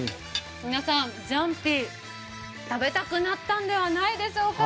皆さん、ジャンピー食べたくなったのではないでしょうか？